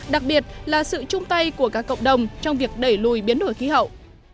đặc biệt là sự chung tay của các cộng đồng trong việc đẩy lùi biến đổi khí hậu